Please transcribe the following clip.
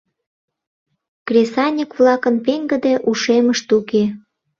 Кресаньык-влакын пеҥгыде ушемышт уке.